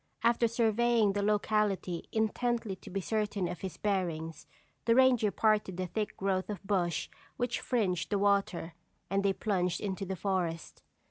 After surveying the locality intently to be certain of his bearings, the ranger parted the thick growth of bush which fringed the water, and they plunged into the forest.